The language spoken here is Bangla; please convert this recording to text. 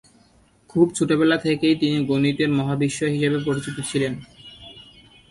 খুব ছোটবেলা থেকেই তিনি গণিতের মহাবিস্ময় হিসেবে পরিচিত ছিলেন।